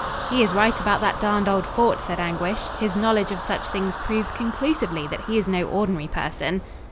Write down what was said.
"He is right about that darned old fort," said Anguish. "His knowledge of such things proves conclusively that he is no ordinary person."